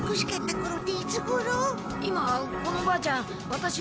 今このばあちゃん